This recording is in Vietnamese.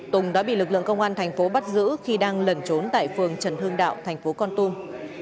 tùng đã bị lực lượng công an tp con tung bắt giữ khi đang lẩn trốn tại phường trần hương đạo tp con tung